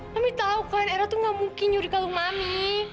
mami tau kan era tuh gak mungkin nyuri kalung mami